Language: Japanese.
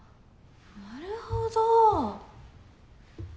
なるほど。